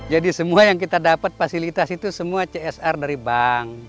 jadi semua yang kita dapat fasilitas itu semua csr dari bank